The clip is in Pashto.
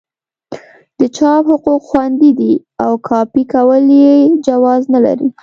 د چاپ حقوق خوندي دي او کاپي کول یې جواز نه لري.